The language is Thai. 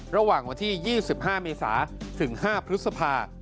ระหว่างวันที่๒๕เมษาถึง๕พฤษภา